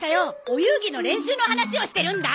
お遊戯の練習の話をしてるんだ！